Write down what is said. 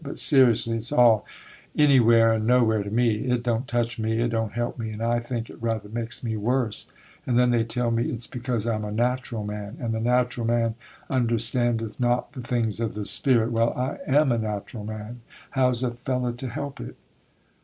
But, seriously, it's all anywhere and nowhere to me; it don't touch me, it don't help me, and I think it rather makes me worse; and then they tell me it's because I'm a natural man, and the natural man understandeth not the things of the Spirit. Well, I am a natural man,—how's a fellow to help it?